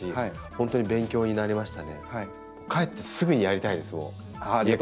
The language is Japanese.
本当に勉強になりました。